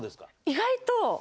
意外と。